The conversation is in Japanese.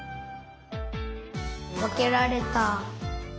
わけられた。